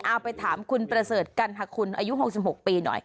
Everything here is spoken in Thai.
เอาไปถามคุณประเสริฐกัณฑคุณอายุ๖๖ปีหน่อย